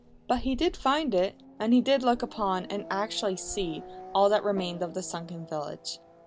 But he did find it, and he did look upon, and actually see, all that remained of the sunken village.